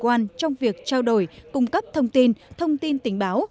các hành vi hải quan trong việc trao đổi cung cấp thông tin thông tin tình báo